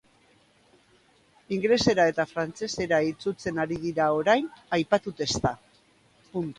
Ingelesera eta frantsesera itzultzen ari dira orain aipatu testa.